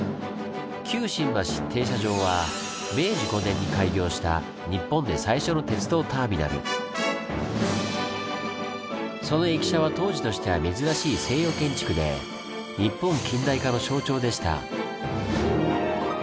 旧新橋停車場は明治５年に開業したその駅舎は当時としては珍しい西洋建築で日本近代化の象徴でした。